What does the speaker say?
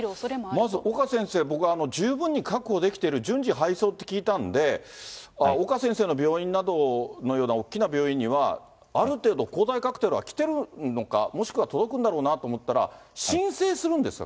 まず岡先生、僕は十分に確保できている、順次配送って聞いたんで、岡先生の病院などのような大きな病院には、ある程度、抗体カクテルは来てる、もしくは届くんだろうなと思ったら、申請するんですね？